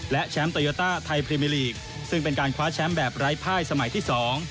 และแชมป์โตโยต้าไทยพรีเมอร์ลีกซึ่งเป็นการคว้าแชมป์แบบไร้ภายสมัยที่สอง